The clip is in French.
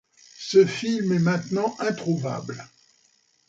Ce film est maintenant introuvable.